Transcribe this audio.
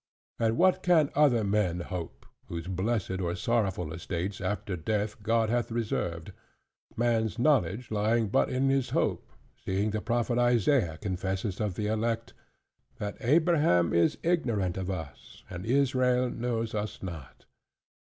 And what can other men hope, whose blessed or sorrowful estates after death God hath reserved? man's knowledge lying but in his hope, seeing the Prophet Isaiah confesseth of the elect, "That Abraham is ignorant of us, and Israel knows us not."